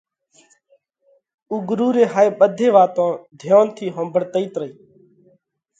اُو ڳرُو ري هائي ٻڌي واتون ڌيونَ ٿِي ۿومڀۯتئِت رئي۔